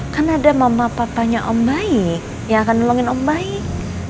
kan ada mama papanya om baik ya akan nolongin om baik